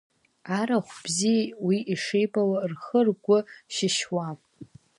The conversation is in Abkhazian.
Арахә бзиа уи ишибауа, рхы-ргәы шьышьуа.